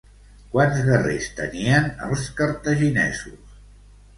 Quants guerrers tenien els cartaginesos?